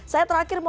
saya terakhir mau ke